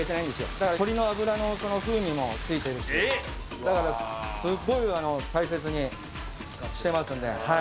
だから鶏の脂の風味もついてるし、だからすっごい大切にしてますんで。